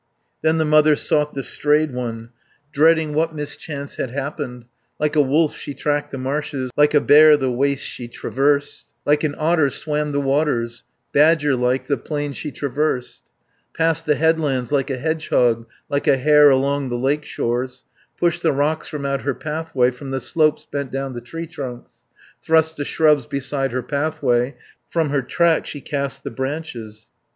Then the mother sought the strayed one, Dreading what mischance had happened, Like a wolf she tracked the marshes, Like a bear the wastes she traversed, Like an otter swam the waters, Badger like the plains she traversed, 120 Passed the headlands like a hedgehog, Like a hare along the lakeshores, Pushed the rocks from out her pathway, From the slopes bent down the tree trunks, Thrust the shrubs beside her pathway, From her track she cast the branches.